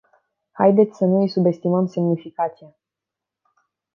Haideți să nu îi subestimăm semnificația.